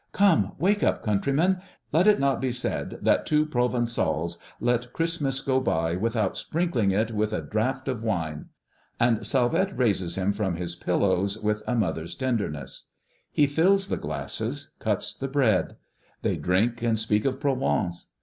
"Come, wake up, countryman; let it not be said that two Provençals let Christmas go by without sprinkling it with a draught of wine " And Salvette raises him on his pillows with a mother's tenderness. He fills the glasses, cuts the bread. They drink and speak of Provence.